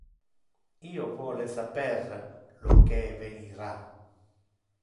Io vole saper lo que evenira.